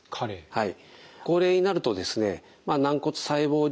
はい。